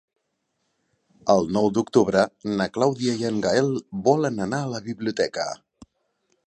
El nou d'octubre na Clàudia i en Gaël volen anar a la biblioteca.